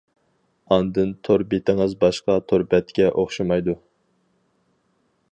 ئاندىن تور بېتىڭىز باشقا تور بەتكە ئوخشىمايدۇ.